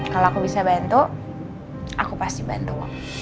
kalau aku bisa bantu aku pasti bantu